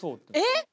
えっ！